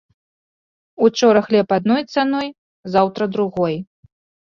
Учора хлеб адной цаной, заўтра другой.